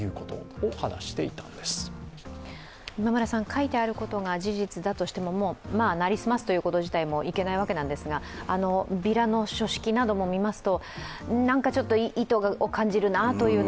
書いてあることが事実だとしても成り済ますこと自体、いけないわけなんですが、ビラの書式なども見ますとなんか意図を感じるなという